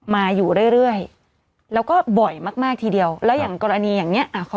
มาอยู่เรื่อยเรื่อยแล้วก็บ่อยมากมากทีเดียวแล้วอย่างกรณีอย่างเงี้